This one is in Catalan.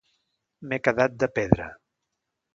M'he quedat de pedra.